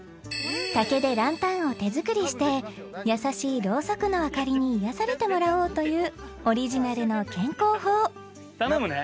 ［竹でランタンを手作りして優しいろうそくの明かりに癒やされてもらおうというオリジナルの健康法］頼むね。